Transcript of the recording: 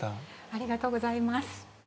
ありがとうございます。